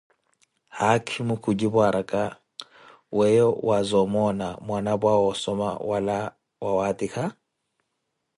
Haakhimo kujipu araka, weeyo waaza omoona mwanapwa asomka wala aatikhaka?